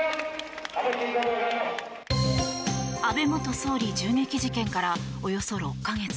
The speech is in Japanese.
安倍元総理銃撃事件からおよそ６か月。